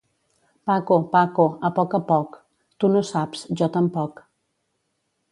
Paco, Paco, a poc a poc; tu no saps, jo tampoc.